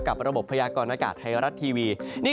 กับระบบพยากรนักศึกษาไทยรัสทีวี